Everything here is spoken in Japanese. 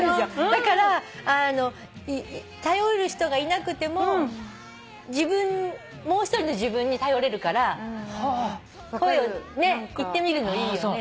だから頼れる人がいなくてももう一人の自分に頼れるから言ってみるのいいよね。